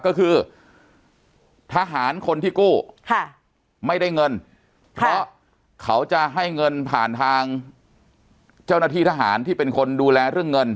ก็คือทหารคนที่กู้ไม่ได้เงินเพราะเขาจะให้เงินผ่านทางเจ้าหน้าที่ทหารที่เป็นคนดูแลเรื่องเงิน